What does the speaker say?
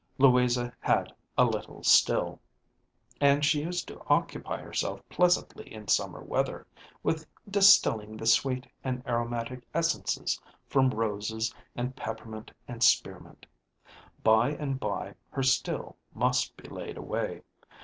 Louisa had a little still, and she used to occupy herself pleasantly in summer weather with distilling the sweet and aromatic essences from roses and peppermint and spear mint. By and by her still must be laid away.